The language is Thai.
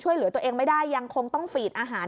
ช่วยเหลือตัวเองไม่ได้ยังคงต้องฝีดอาหาร